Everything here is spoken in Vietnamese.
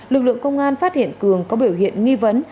lực lượng công an phát hiện cường có biểu hiện nghi vấn